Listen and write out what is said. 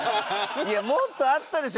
もっとあったでしょ？